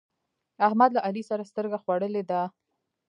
احمد له علي سره سترګه خوړلې ده.